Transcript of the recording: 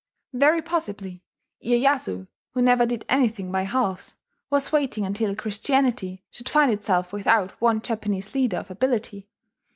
Very possibly Iyeyasu, who never did anything by halves, was waiting until Christianity should find itself without one Japanese leader of ability.